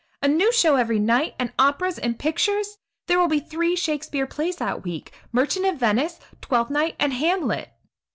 A new show every night, and operas and pictures. There will be three Shakspere plays that week, 'Merchant of Venice,' 'Twelfth Night,' and 'Hamlet.'"